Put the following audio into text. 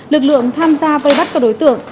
lực lượng tham gia vây bắt các đối tượng